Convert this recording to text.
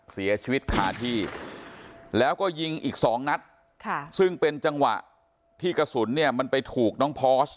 เสียชีวิตคาที่แล้วก็ยิงอีกสองนัดซึ่งเป็นจังหวะที่กระสุนเนี่ยมันไปถูกน้องพอส